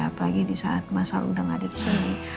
apalagi di saat masa lu udah gak ada di sini